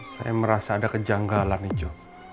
saya merasa ada kejanggalan nih jo